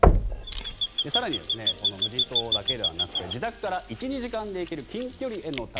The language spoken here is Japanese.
更に無人島だけではなくて自宅から１２時間で行ける近距離への旅